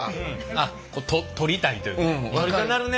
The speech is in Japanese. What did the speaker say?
あっこう撮りたいというかね。